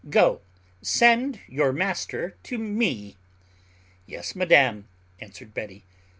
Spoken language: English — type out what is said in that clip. Go, send your master to me." "Yes, madam," answered Betty.